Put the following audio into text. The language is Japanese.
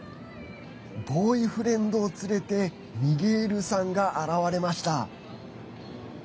ボーイフレンドを連れてミゲールさんが現れました。